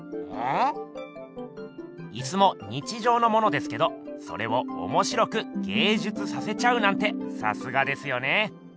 椅子も日じょうのものですけどそれをおもしろく芸術させちゃうなんてさすがですよね。